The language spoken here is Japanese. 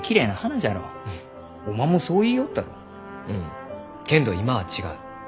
けんど今は違う。